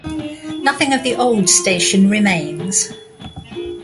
Nothing of the old station remains.